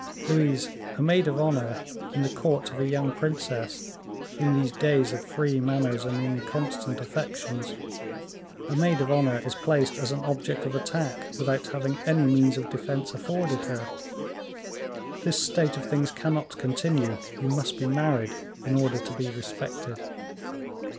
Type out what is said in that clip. Louise, a maid of honor, in the court of a young princess in these days of free manners and inconstant affections a maid of honor is placed as an object of attack without having any means of defence afforded her; this state of things cannot continue; you must be married in order to be respected."